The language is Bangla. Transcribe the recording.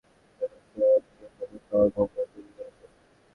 আবার অনেকে প্রভাব খাটিয়ে সংরক্ষিত ভবন ভেঙে বহুতল ভবনও তৈরি করেছেন।